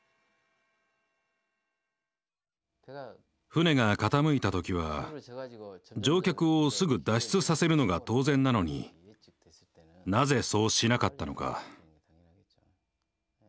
船が傾いた時は乗客をすぐ脱出させるのが当然なのになぜそうしなかったのか。